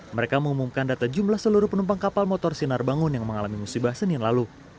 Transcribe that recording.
mereka mengumumkan data jumlah seluruh penumpang kapal motor sinar bangun yang mengalami musibah senin lalu